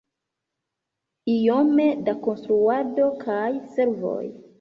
Iom da konstruado kaj servoj.